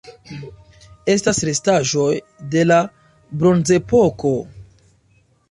Estas restaĵoj de la Bronzepoko.